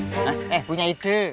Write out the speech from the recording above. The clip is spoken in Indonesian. hah eh punya ide